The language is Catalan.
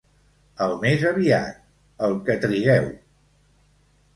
Al més aviat, el que trigueu.